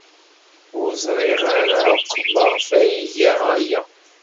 Ur ẓriɣ ara akk maɣef ay iga aya.